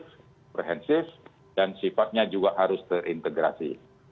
komprehensif dan sifatnya juga harus terintegrasi